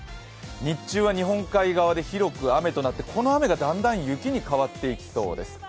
日中は日本海側で広く雨となって、この雨がだんだん雪に変わっていきそうです。